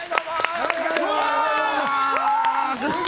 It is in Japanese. よろしくお願いします！